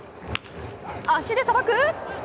足でさばく！